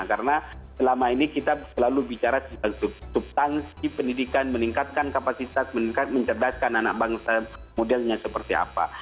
karena selama ini kita selalu bicara tentang subtansi pendidikan meningkatkan kapasitas meningkatkan mencerdaskan anak bangsa modelnya seperti apa